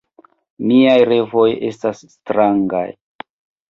Miaj revoj estas strangaj.